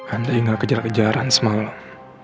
andai gak kejar kejaran semalam